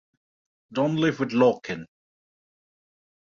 Don't live with law kin!